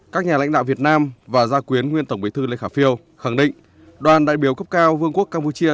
các nhà lãnh đạo việt nam và gia quyến nguyên tổng bí thư lê khả phiêu khẳng định đoàn đại biểu cấp cao vương quốc campuchia